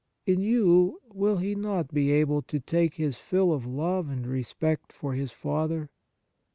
In you, will He not be able to take His fill of love and respect for His Father